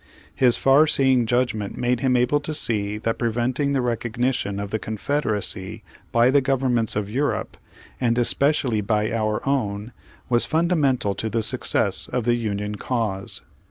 His far seeing judgment made him able to see that preventing the recognition of the Confederacy by the govern ments of Europe, and especially by our own, was fundamental to the success of the Union cause.